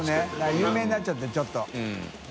有名になっちゃってちょっと。